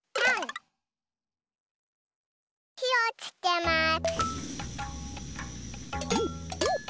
ひをつけます。